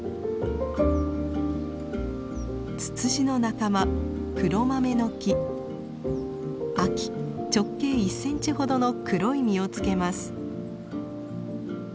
ツツジの仲間秋直径１センチほどの黒い実をつけます。